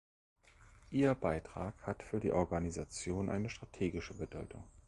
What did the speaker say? Ihr Beitrag hat für die Organisation eine strategische Bedeutung.